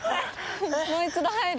もう一度入る？